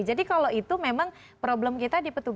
jadi kalau itu memang problem kita dipetulkan